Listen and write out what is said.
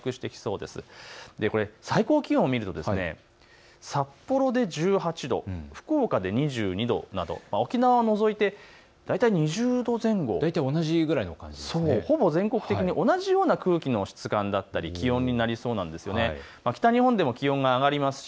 最高気温を見ると札幌で１８度、福岡で２２度など沖縄を除いて大体２０度前後、ほぼ全国的に同じような空気の質感だったり気温になりそうです。